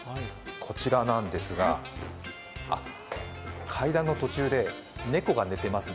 こちらなんですが、階段の途中で猫が寝てます。